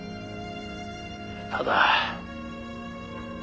ただ。